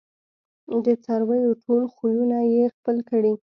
د څارویو ټول خویونه یې خپل کړي